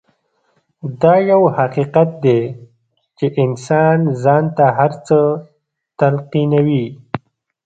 دا يو حقيقت دی چې انسان ځان ته هر څه تلقينوي.